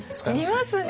見ますね。